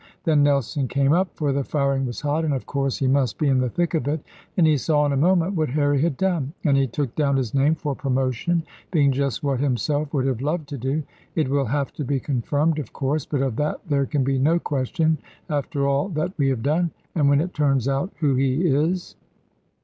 Then Nelson came up, for the firing was hot, and of course he must be in the thick of it, and he saw in a moment what Harry had done, and he took down his name for promotion, being just what himself would have loved to do. It will have to be confirmed, of course; but of that there can be no question, after all that we have done; and when it turns out who he is."